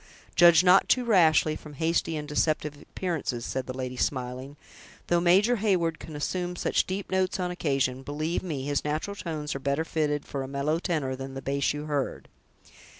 "Judge not too rashly from hasty and deceptive appearances," said the lady, smiling; "though Major Heyward can assume such deep notes on occasion, believe me, his natural tones are better fitted for a mellow tenor than the bass you heard."